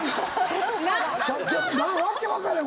訳分からへん。